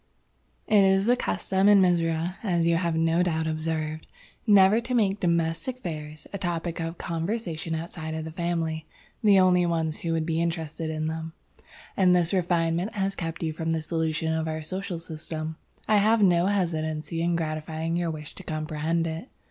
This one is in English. "It is the custom in Mizora, as you have no doubt observed, never to make domestic affairs a topic of conversation outside of the family, the only ones who would be interested in them; and this refinement has kept you from the solution of our social system. I have no hesitancy in gratifying your wish to comprehend it.